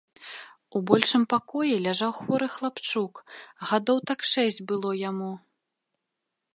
У большым пакоі ляжаў хворы хлапчук, гадоў так шэсць было яму.